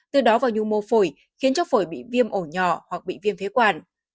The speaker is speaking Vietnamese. từ đó vào nhu mô phổi khiến cho phổi bị viêm ổ nhỏ hoặc bị viêm phế quản